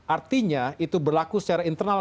artinya itu berlaku secara internal